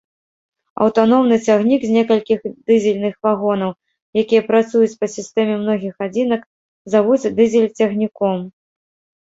Аўтаномны цягнік з некалькіх дызельных вагонаў, якія працуюць па сістэме многіх адзінак, завуць дызель-цягніком.